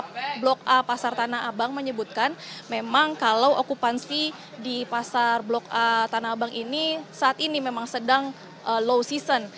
di blok a pasar tanah abang menyebutkan memang kalau okupansi di pasar blok a tanah abang ini saat ini memang sedang low season